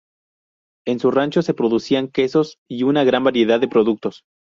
En su rancho se producían quesos y una gran variedad de productos.